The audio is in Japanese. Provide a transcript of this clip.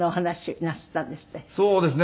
そうですね。